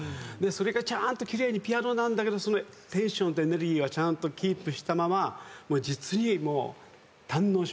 それがちゃんと奇麗にピアノなんだけどそのテンションとエネルギーはちゃんとキープしたまま実に堪能しました。